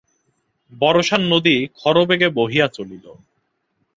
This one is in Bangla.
বর্ষার নদী খরবেগে বহিয়া চলিল।